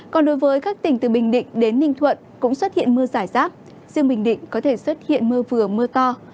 còn đối với các tỉnh từ bình định đến ninh thuận cũng xuất hiện mưa giải rác riêng bình định có thể xuất hiện mưa vừa mưa to